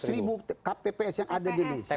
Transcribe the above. delapan ratus ribu kps yang ada di indonesia